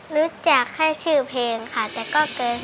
รู้จักแค่ชื่อเพลงค่ะแต่ก็เกิน